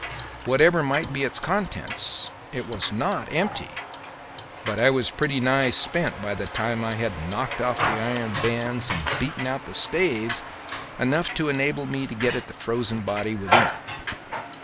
Whatever might be its contents it was not empty, but I was pretty nigh spent by the time I had knocked off the iron bands and beaten out staves enough to enable me to get at the frozen body within.